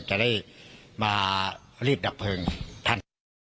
จะได้มารีบดับเพลิงท่าน